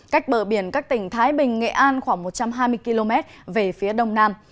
cách bờ biển các tỉnh thái bình nghệ an khoảng một trăm hai mươi km về phía đông nam